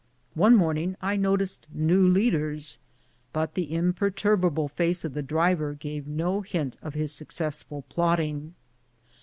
One morning I noticed new leaders, but the imperturbable face of the driver gave no hint of his successful plotting.